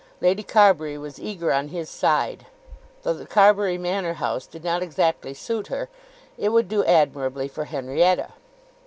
Lady Carbury was eager on his side. Though the Carbury Manor House did not exactly suit her, it would do admirably for Henrietta.